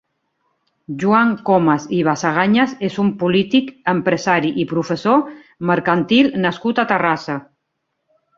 Joan Comas i Basagañas és un polític, empresari i professor mercantil nascut a Terrassa.